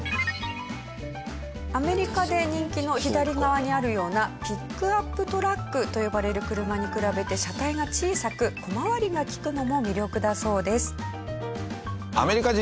アメリカで人気の左側にあるようなピックアップトラックと呼ばれる車に比べて車体が小さく小回りが利くのも魅力だそうです。